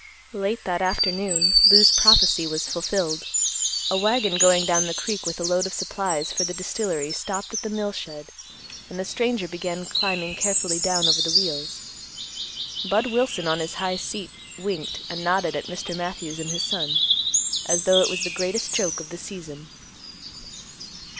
Late that afternoon Lou's prophecy was fulfilled. A wagon going down the Creek with a load of supplies for the distillery stopped at the mill shed and the stranger began climbing carefully down over the wheels. Budd Wilson on his high seat winked and nodded at Mr. Matthews and his son, as though it was the greatest joke of the season.